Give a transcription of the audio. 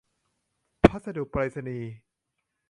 พัสดุไปรษณีย์